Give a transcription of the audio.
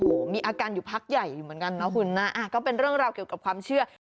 โอ้โหมีอาการอยู่พักใหญ่อยู่เหมือนกันนะคุณนะก็เป็นเรื่องราวเกี่ยวกับความเชื่อ